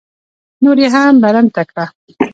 نور یې هم برمته کړه.